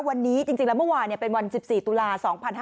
วันนี้จริงแล้วเมื่อวานเป็นวัน๑๔ตุลา๒๕๕๙